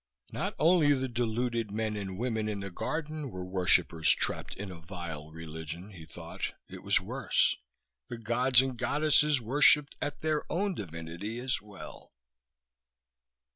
Not only the deluded men and women in the garden were worshippers trapped in a vile religion, he thought. It was worse. The gods and goddesses worshipped at their own divinity as well!